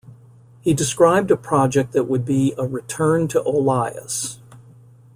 He described a project that would be a "return to Olias".